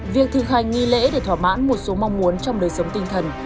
việc thực hành nghi lễ để thỏa mãn một số mong muốn trong đời sống tinh thần